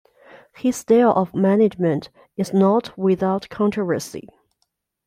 His style of management is not without controversy.